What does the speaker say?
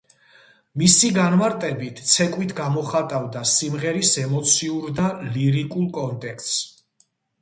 მისი განმარტებით, ცეკვით გამოხატავდა სიმღერის ემოციურ და ლირიკულ კონტექსტს.